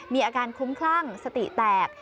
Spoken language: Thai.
มีอาการคุ้มคลั่งสติแตก